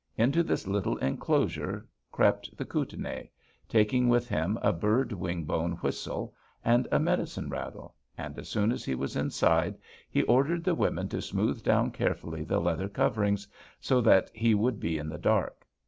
Into this little enclosure crept the Kootenai, taking with him a bird wing bone whistle, and a medicine rattle, and as soon as he was inside he ordered the women to smooth down carefully the leather coverings so that he would be in the dark.